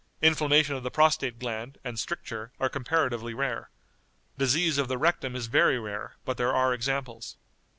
Inflammation of the prostate gland, and stricture, are comparatively rare. Disease of the rectum is very rare, but there are examples."